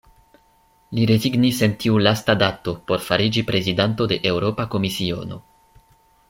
Li rezignis en tiu lasta dato por fariĝi prezidanto de Eŭropa Komisiono.